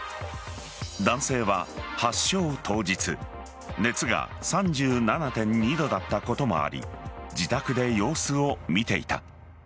男性は発症当日熱が３７．２度だったこともあり自宅で様子を見ていた。